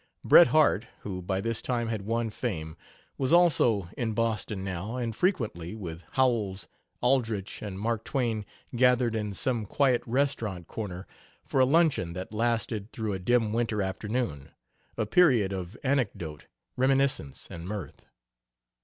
Bret Harte, who by this time had won fame, was also in Boston now, and frequently, with Howells, Aldrich, and Mark Twain, gathered in some quiet restaurant corner for a luncheon that lasted through a dim winter afternoon a period of anecdote, reminiscence, and mirth.